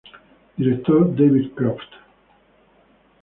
Director: David Croft.